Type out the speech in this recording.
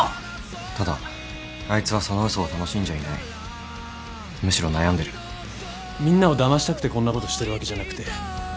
「ただあいつはその嘘を楽しんじゃいない」「むしろ悩んでる」「みんなをだましたくてこんなことしてるわけじゃなくて」